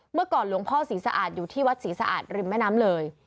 เมื่อก่อนหลวงพ่อศรีสะอาดอยู่ที่วัดศรีสะอาดริมแม่น้ำเลย